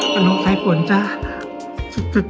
มันโรคไทยปุ่นจ้า